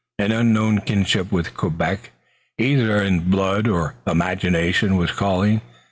An unknown kinship with Quebec, either in blood or imagination, was calling.